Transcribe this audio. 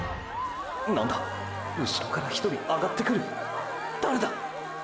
何だうしろから１人あがってくる誰だ